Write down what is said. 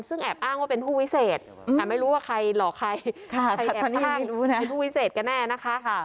ซึ่งแอบอ้างว่าเป็นผู้วิเศษแต่ไม่รู้ว่าใครหลอกใครใครแอบอ้างเป็นผู้วิเศษกันแน่นะคะ